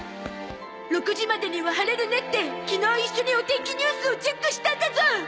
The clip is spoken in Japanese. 「６時までには晴れるね」って昨日一緒にお天気ニュースをチェックしたんだゾ！